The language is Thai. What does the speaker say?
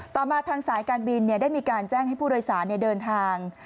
ต่อมาทางสายการบินได้มีการแจ้งให้ผู้โดยสารเดินทาง